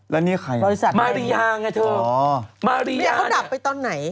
แล้วนี่ใครบริษัทใดนี้มารียาไงเธอเขาดับไปตอนไหน